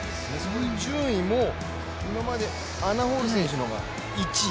順位も、今までアナ・ホール選手の方が１位。